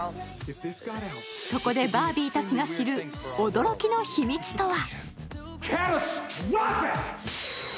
そこでバービーたちが知る驚きの秘密とは？